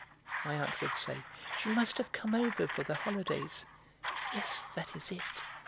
my aunt would say, "she must have come over for the holidays. Yes, that is it.